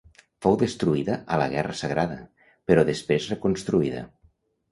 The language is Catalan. Fou destruïda a la guerra sagrada però després reconstruïda.